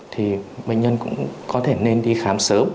thì bệnh nhân cũng có thể nên đi khám sớm